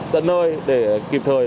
tận nơi để kịp thời